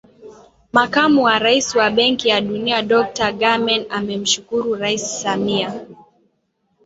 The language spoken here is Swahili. Makamu wa Rais wa Benki ya Dunia Dokta Ghanem amemshukuru Rais Samia